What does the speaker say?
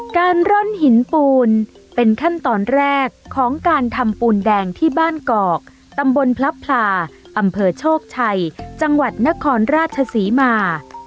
ร่อนหินปูนเป็นขั้นตอนแรกของการทำปูนแดงที่บ้านกอกตำบลพลับพลาอำเภอโชคชัยจังหวัดนครราชศรีมา